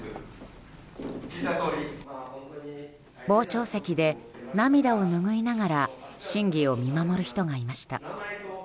傍聴席で、涙をぬぐいながら審議を見守る人がいました。